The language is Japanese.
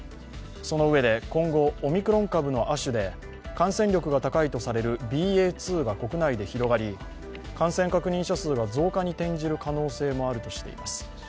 そのうえで今後、オミクロン株の亜種で感染力が高いとされるＢＡ．２が国内で広がり感染確認者数が増加に転じる可能性もあるとしています。